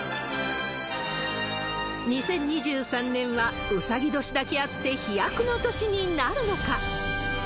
２０２３年は、うさぎ年だけあって、飛躍の年になるのか。